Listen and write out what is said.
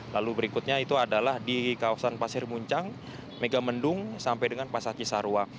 lalu berikutnya itu adalah di kawasan pasir muncang megamendung sampai dengan pasar cisarua